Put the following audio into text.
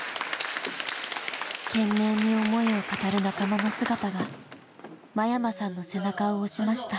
懸命に思いを語る仲間の姿が間山さんの背中を押しました。